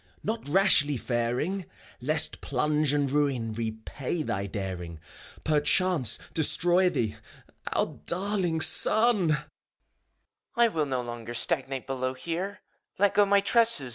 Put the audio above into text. Not rashly faring; Lest plunge and ruin Repay thy daring, Perchance destroy thee. Our daiiing son I BUPHOEION. I will not longer Stagnate below here I Let go my tresses.